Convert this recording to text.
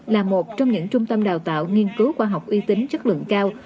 là một trong những trung tâm đào tạo nghiên cứu khoa học uy tín chất lượng cao